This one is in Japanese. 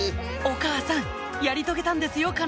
お母さんやり遂げたんですよ